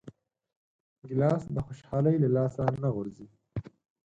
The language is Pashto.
ګیلاس د خوشحالۍ له لاسه نه غورځي.